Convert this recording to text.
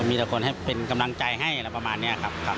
มีแต่คนให้เป็นกำลังใจให้อะไรประมาณนี้ครับ